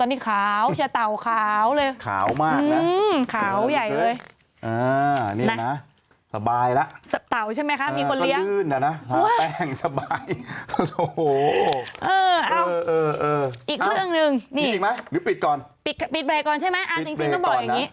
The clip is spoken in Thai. ตอนนี้ขาวใช่ไหมเต่าขาวเลยขาวมากนะขาวใหญ่เลยอืมวันเตรียม